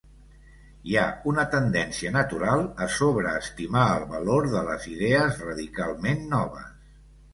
Hi ha una tendència natural a sobreestimar el valor de les idees radicalment noves.